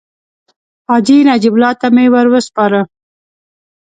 حاجي نجیب الله ته مې ورو سپاره.